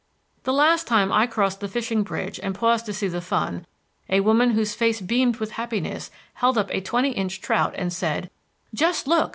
The last time I crossed the Fishing Bridge and paused to see the fun, a woman whose face beamed with happiness held up a twenty inch trout and said: "Just look!